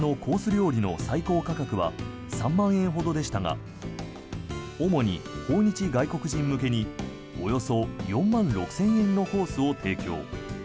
料理の最高価格は３万円ほどでしたが主に訪日外国人向けにおよそ４万６０００円のコースを提供。